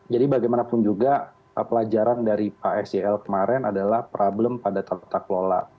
jadi bagaimanapun juga pelajaran dari pak sjl kemarin adalah problem pada tata kelola